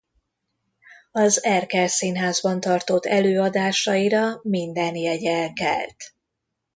Az Erkel Színházban tartott előadásaira minden jegy elkelt.